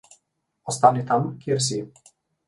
Ostani tam, kjer si.